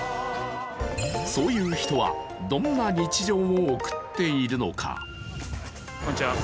そういう人はどんな日常を送っているのか。